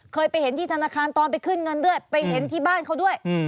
เคยไปเห็นที่ธนาคารตอนไปขึ้นเงินด้วยไปเห็นที่บ้านเขาด้วย